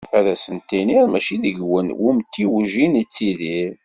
Ad s-tiniḍ mačči deg yiwen wemtiweg i nettidir.